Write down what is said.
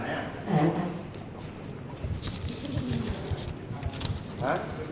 อ่า